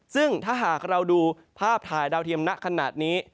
ซึ่งถ้าหากเราดูภาพถ่ายดาวเทียมณขนาดนี้